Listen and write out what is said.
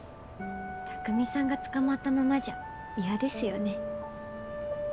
卓海さんが捕まったままじゃ嫌ですよね？